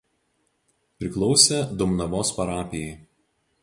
Priklausė Dumnavos parapijai.